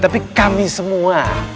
tapi kami semua